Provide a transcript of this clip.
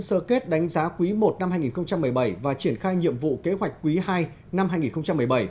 sơ kết đánh giá quý i năm hai nghìn một mươi bảy và triển khai nhiệm vụ kế hoạch quý ii năm hai nghìn một mươi bảy